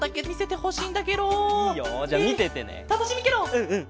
うんうん！